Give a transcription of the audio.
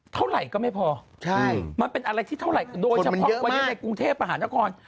เท่าไหร่ก็ไม่พอมันเป็นอะไรที่เท่าไหร่โดยเฉพาะวันนี้ในกรุงเทพมหานคร